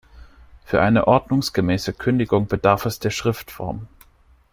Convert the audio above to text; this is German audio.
Für eine ordnungsgemäße Kündigung bedarf es der Schriftform.